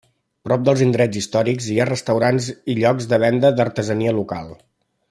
Prop dels indrets històrics, hi ha restaurants i llocs de venda d'artesania local.